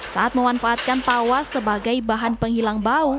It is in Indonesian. saat memanfaatkan tawas sebagai bahan penghilang baung